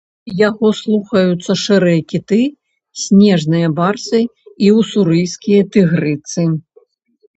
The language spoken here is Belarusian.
Яго слухаюцца шэрыя кіты, снежныя барсы і ўсурыйскія тыгрыцы.